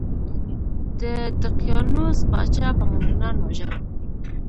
د دقیانوس پاچا به مومنان وژل.